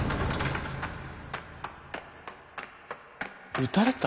撃たれた？